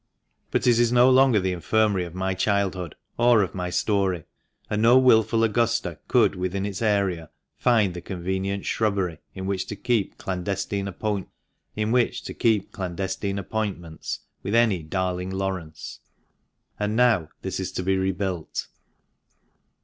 But it is no longer the Infirmary of my childhood, or of my story, and no wilful Augusta could within its area find the convenient shrubbery in which to keep clandestine appointments with any " darling Laurence." And now this is to be re built.